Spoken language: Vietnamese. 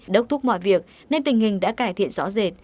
đốc thúc mọi việc nên tình hình đã cải thiện rõ rệt